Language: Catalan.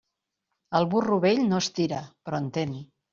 El burro vell no estira, però entén.